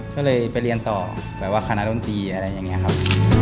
ก็เลยไปเรียนต่อแบบว่าคณะดนตรีอะไรอย่างนี้ครับ